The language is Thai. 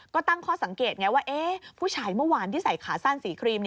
ก็ตั้งข้อสังเกตไงว่าผู้ชายเมื่อวานที่ใส่ขาสั้นสีครีม